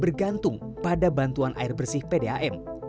bergantung pada bantuan air bersih pdam